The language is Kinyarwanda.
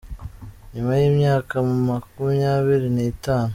Nyuma y’imyaka makumyabiri n’itanu.